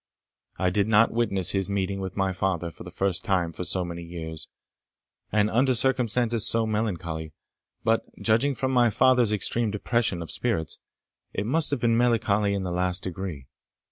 I did not witness his meeting with my father for the first time for so many years, and under circumstances so melancholy; but, judging from my father's extreme depression of spirits, it must have been melancholy in the last degree.